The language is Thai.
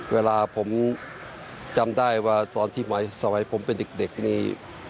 เวลาผมจำได้ว่าตอนที่สมัยผมเป็นเด็กนี่